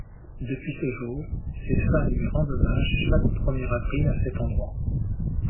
Depuis ce jour, ses fans lui rendent hommage chaque premier avril à cet endroit.